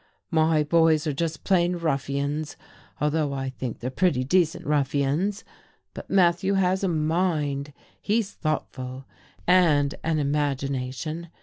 My boys are just plain ruffians although I think they're pretty decent ruffians, but Matthew has a mind he's thoughtful and an imagination.